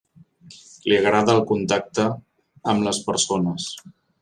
Li agrada el contacte amb les persones.